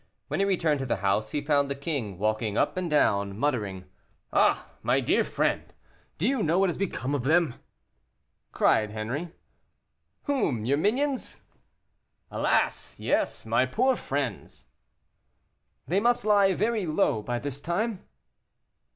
When he returned to the house he found the king, walking up and down, muttering. "Ah! my dear friend! do you know what has become of them?" cried Henri. "Whom? your minions?" "Alas! yes, my poor friends." "They must lie very low by this time."